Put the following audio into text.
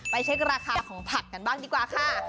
เช็คราคาของผักกันบ้างดีกว่าค่ะ